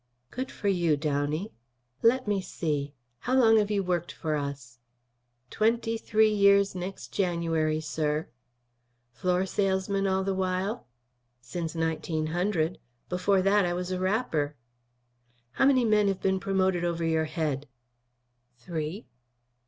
"Good for you, Downey. Let me see, how long have you worked for us?" "Twenty three years next January, sir." "Floor salesman all the while?" "Since 1900. Before that I was a wrapper." "How many men have been promoted over your head?" "Three."